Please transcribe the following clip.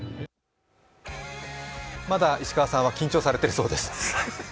まだ石川さんは緊張されているそうです。